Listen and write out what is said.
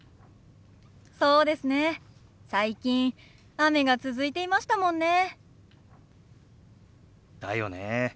最近雨が続いていましたもんね。だよね。